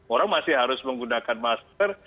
orang masih harus menggunakan masker